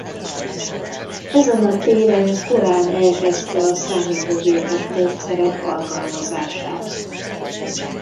Ezen a téren korán elkezdte a számítógépes módszerek alkalmazását.